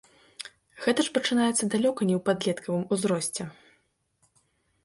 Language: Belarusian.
Гэта ж пачынаецца далёка не ў падлеткавым узросце.